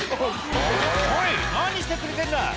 「おい何してくれてんだ！